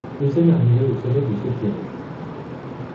Deuxième arrivée au sommet de ce Giro.